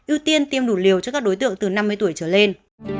ưu tiên tiêm đủ liều cho các đối tượng từ năm mươi tuổi trở lên